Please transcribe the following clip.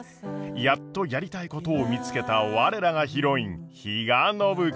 やっとやりたいことを見つけた我らがヒロイン比嘉暢子。